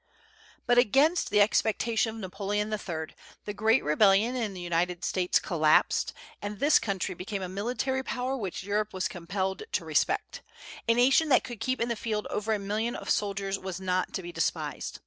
But against the expectation of Napoleon III, the great rebellion in the United States collapsed, and this country became a military power which Europe was compelled to respect: a nation that could keep in the field over a million of soldiers was not to be despised.